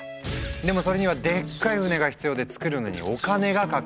でもそれにはでっかい船が必要で造るのにお金がかかる。